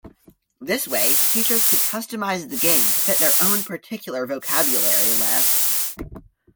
This way, teachers could customize the game to fit their own particular vocabulary lists.